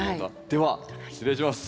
では失礼します。